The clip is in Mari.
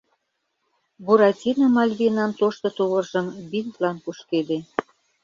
Буратино Мальвинан тошто тувыржым бинтлан кушкеде.